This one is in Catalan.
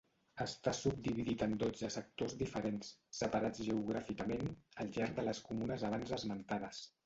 Està subdividit en dotze sectors diferents, separats geogràficament, al llarg de les comunes abans esmentades.